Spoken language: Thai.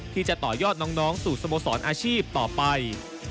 ที่จะต่อยอดน้องสู่สโมสรอาชีพต่อไป